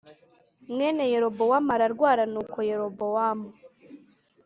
Mwene yerobowamu ararwara nuko yerobowamu